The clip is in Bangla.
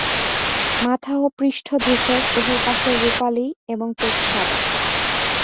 মাথা ও পৃষ্ঠ ধূসর, দেহের পাশে রুপালি এবং পেট সাদা।